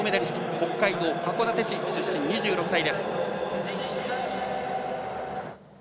北海道函館市出身、２６歳です。